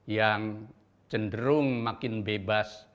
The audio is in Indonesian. yang cenderung makin bebas